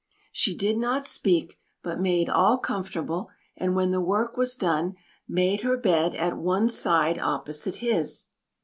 She did not speak, but made all comfortable, and when the work was done made her bed at one side opposite his.